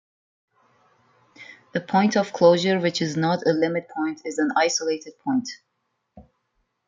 A point of closure which is not a limit point is an isolated point.